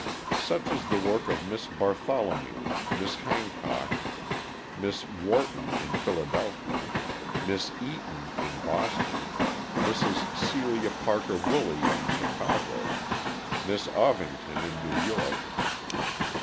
Such is the work of Miss Bartholomew, Miss Hancock, Miss Wharton in Philadelphia, Miss Eaton in Boston, Mrs. Celia Parker Woolley in Chicago, Miss Ovington in New York.